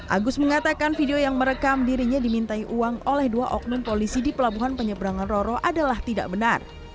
agus mengatakan video yang merekam dirinya dimintai uang oleh dua oknum polisi di pelabuhan penyeberangan roro adalah tidak benar